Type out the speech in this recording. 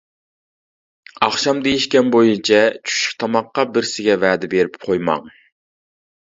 ئاخشام دېيىشكەن بويىچە چۈشلۈك تاماققا بىرسىگە ۋەدە بېرىپ قويماڭ.